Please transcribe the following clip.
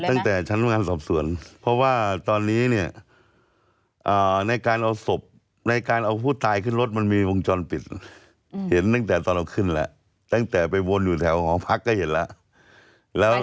ตั้งแต่ชั้นงานสอบสวนเพราะว่าตอนนี้เนี่ยในการเอาศพในการเอาผู้ตายขึ้นรถมันมีวงจรปิดเห็นตั้งแต่ตอนเราขึ้นแล้วตั้งแต่ไปวนอยู่แถวหอพักก็เห็นแล้วแล้ว